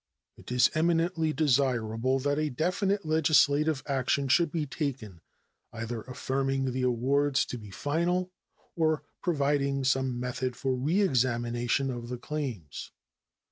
It is eminently desirable that definite legislative action should be taken, either affirming the awards to be final or providing some method for reexamination of the claims.